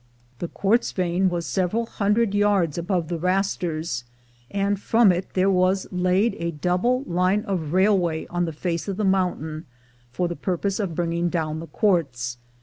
The quartz vein was several hundred yards above the "rasters," and from it there was laid a double line of railway on the face of the mountain, for the purpose of bringing down the quartz.